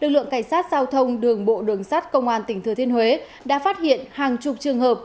lực lượng cảnh sát giao thông đường bộ đường sát công an tỉnh thừa thiên huế đã phát hiện hàng chục trường hợp